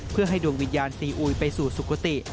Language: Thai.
เพื่อให้ดวงวิญญาณซีอุยไปสู่สุขติ